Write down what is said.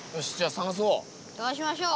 探しましょう！